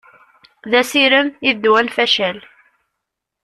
D asirem i ddwa n facal.